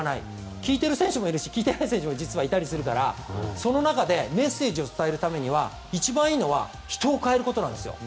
聞いている選手もいるし実は聞いていない選手もいたりするからその中で、メッセージを伝えるために一番いいのは人を代えることなんですよ。